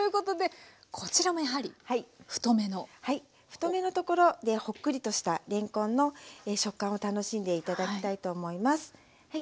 太めのところでホックリとしたれんこんの食感を楽しんで頂きたいと思います。